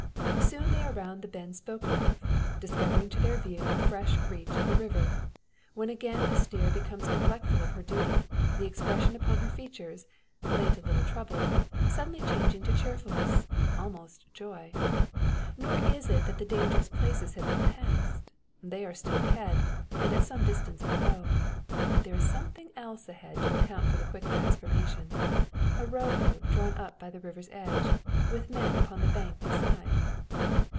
Soon they are round the bend spoken of, discovering to their view a fresh reach of the river; when again the steerer becomes neglectful of her duty, the expression upon her features, late a little troubled, suddenly changing to cheerfulness, almost joy. Nor is it that the dangerous places have been passed; they are still ahead, and at some distance below. But there is something else ahead to account for the quick transformation a row boat drawn up by the river's edge, with men upon the bank beside.